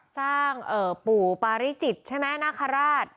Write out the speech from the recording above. สร้างปู่ปาริจิตใช่ไหมนาคาราช